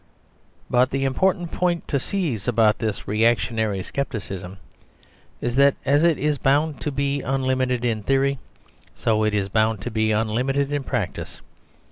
But the important point to seize about this reactionary scepticism is that as it is bound to be unlimited in theory, so it is bound to be unlimited in practice.